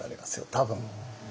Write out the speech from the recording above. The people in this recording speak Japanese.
多分。